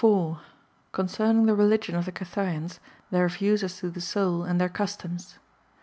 [Concerning the Religion of the Cathayans;^ their views AS TO the Soul ; and their Customs.